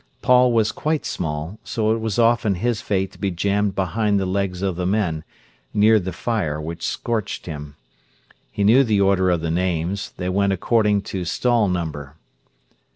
Paul was quite small, so it was often his fate to be jammed behind the legs of the men, near the fire which scorched him. He knew the order of the names—they went according to stall number.